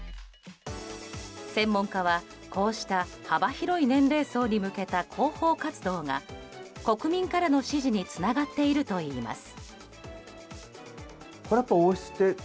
専門家は、こうした幅広い年齢層に向けた広報活動が国民からの支持につながっているといいます。